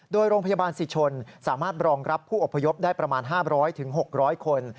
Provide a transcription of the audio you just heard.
โดยโรงพยาบาลศิชนสามารถรองรับผู้อพยพได้ประมาณ๕๐๐๖๐๐คน